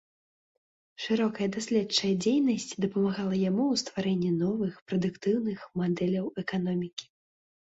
Шырокая даследчая дзейнасць дапамагала яму ў стварэнні новых, прадуктыўных мадэляў эканомікі.